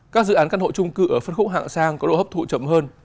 các dự án căn hộ trung cư ở phân khúc hạng sang có độ hấp thụ chậm hơn